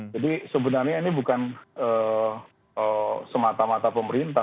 jadi sebenarnya ini bukan semata mata pemerintah